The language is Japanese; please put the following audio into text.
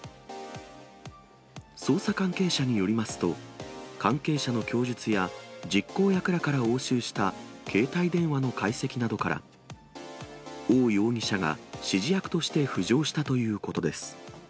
捜査関係者によりますと、関係者の供述や、実行役らから押収した携帯電話の解析などから、汪容疑者が指示役として浮上したということです。